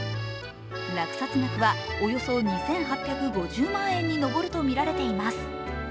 落札額はおよそ２８５０万円に上るとみられています。